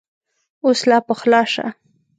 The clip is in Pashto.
اوس لا پخلا شه !